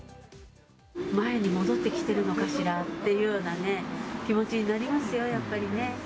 前に戻ってきているのかしらっていうようなね、気持ちになりますよ、やっぱりね。